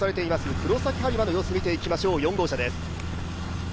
黒崎播磨の様子を見ていきましょう、４号車です。